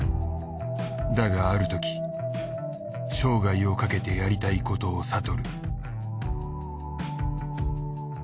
だがあるとき生涯をかけてやりたいことを悟る。